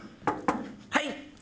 はい！